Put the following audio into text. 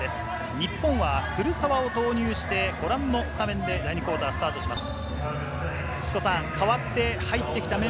日本は古澤を投入して、ご覧のスタメンで第２クオーターをスタートします。